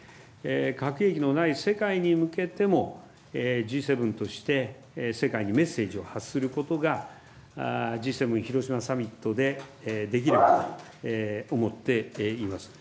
核兵器のない世界に向けても、Ｇ７として世界にメッセージを発することが、Ｇ７広島サミットでできるかと思っています。